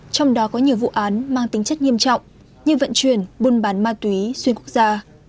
trong đó có nhiều vụ án mang tính chất nghiêm trọng như vận chuyển buôn bán ma túy xuyên quốc gia